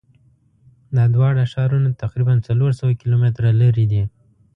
دا دواړه ښارونه تقریبآ څلور سوه کیلومتره لری دي.